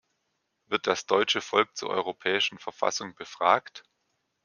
Wird das deutsche Volk zur Europäischen Verfassung befragt?